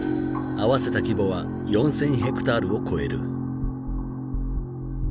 合わせた規模は４，０００ヘクタールを超える。